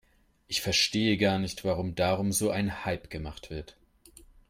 Ich verstehe gar nicht, weshalb darum so ein Hype gemacht wird.